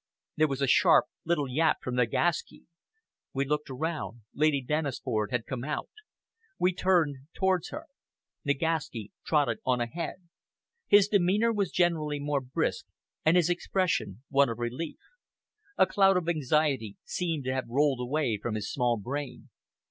There was a sharp, little yap from Nagaski. We looked around, Lady Dennisford had come out. We turned towards her. Nagaski trotted on ahead. His demeanor was generally more brisk, and his expression one of relief. A cloud of anxiety seemed to have rolled away from his small brain.